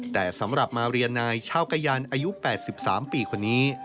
แต่สำหรับมาเรียนนายชาวกะยันอายุ๘๓ปีคนนี้